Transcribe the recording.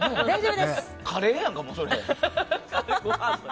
カレーやんか、もう。